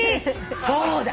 そうだ。